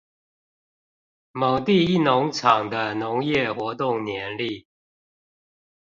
某地一農場的農業活動年曆